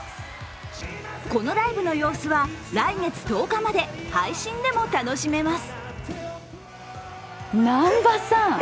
このライブの様子は来月１０日まで配信でも楽しめます。